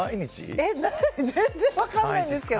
全然分からない。